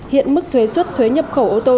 hiện mức thuế xuất thuế nhập khẩu ô tô